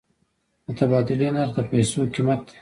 د تبادلې نرخ د پیسو قیمت دی.